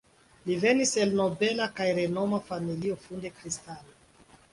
Li venis el nobela kaj renoma familio funde kristana.